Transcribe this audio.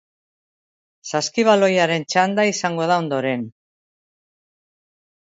Saskibaloiaren txanda izango da ondoren.